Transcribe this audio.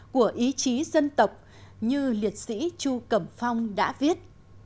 của ý chí dân tộc như liệt sĩ chu cẩm phong đã viết